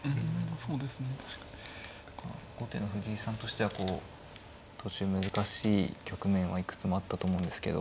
後手の藤井さんとしてはこう途中難しい局面はいくつもあったと思うんですけど。